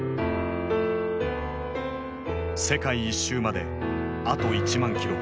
世界一周まであと１万キロ。